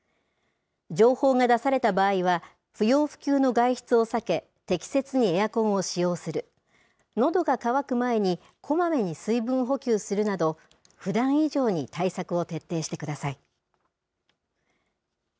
情報が出された場合は、不要不急の外出を避け、適切にエアコンを使用する、のどが渇く前に、こまめに水分補給するなど、ふだん以上に対策を徹底してください。